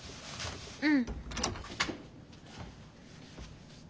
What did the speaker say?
うん。